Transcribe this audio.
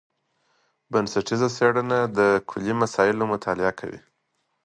بنسټیزه څېړنه د کلي مسایلو مطالعه کوي.